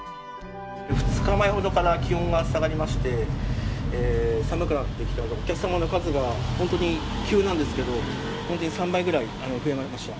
２日前ほどから気温が下がりまして、寒くなってきて、お客様の数が本当に急なんですけど、本当に３倍ぐらい増えました。